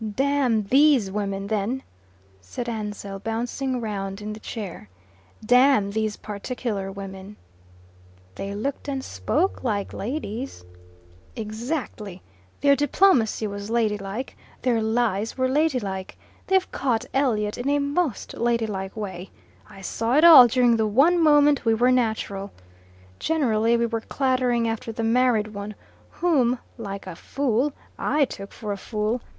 "Damn THESE women, then," said Ansell, bouncing round in the chair. "Damn these particular women." "They looked and spoke like ladies." "Exactly. Their diplomacy was ladylike. Their lies were ladylike. They've caught Elliot in a most ladylike way. I saw it all during the one moment we were natural. Generally we were clattering after the married one, whom like a fool I took for a fool.